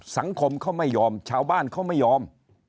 สังคมเขาไม่ยอมชาวบ้านเขาไม่ยอม